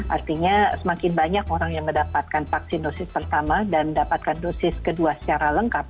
artinya semakin banyak orang yang mendapatkan vaksin dosis pertama dan mendapatkan dosis kedua secara lengkap